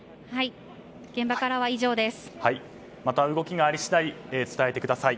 現場からは以上です。